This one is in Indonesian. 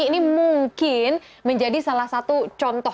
ini mungkin menjadi salah satu contoh